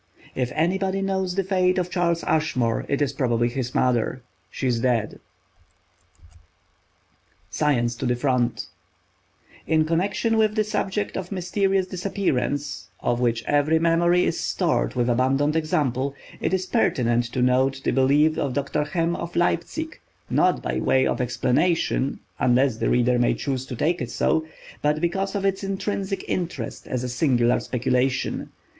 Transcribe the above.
If anybody knows the fate of Charles Ashmore it is probably his mother. She is dead. SCIENCE TO THE FRONT In connection with this subject of "mysterious disappearance"—of which every memory is stored with abundant example—it is pertinent to note the belief of Dr. Hem, of Leipsic; not by way of explanation, unless the reader may choose to take it so, but because of its intrinsic interest as a singular speculation.